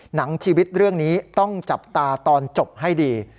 หนังชีวิตเรื่องนี้ต้องจับตาตอนจบให้ดี